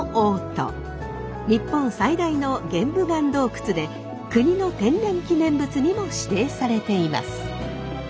日本最大の玄武岩洞窟で国の天然記念物にも指定されています。